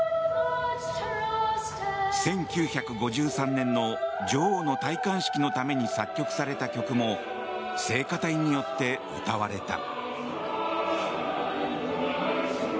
１９５３年の女王の戴冠式のために作曲された曲も聖歌隊によって歌われた。